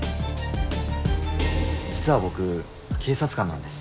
実は僕警察官なんです。